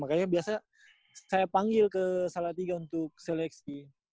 makanya biasanya saya panggil ke salatiga untuk seleksi